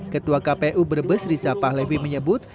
ketua kpu berbes rizapahlevi menyebut